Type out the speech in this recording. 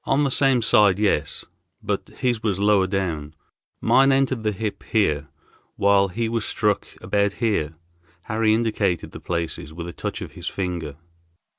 "On the same side, yes; but his was lower down. Mine entered the hip here, while he was struck about here." Harry indicated the places with a touch of his finger.